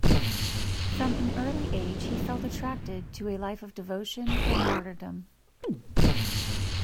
From an early age, he felt attracted to a life of devotion and martyrdom.